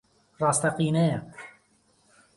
ڕاستەقینەیە؟